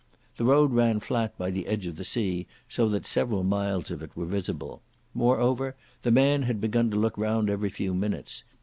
The road ran flat by the edge of the sea, so that several miles of it were visible. Moreover, the man had begun to look round every few minutes.